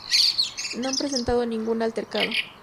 No han presentado ningún altercado.